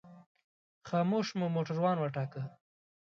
خاموش مو موټروان وټاکه.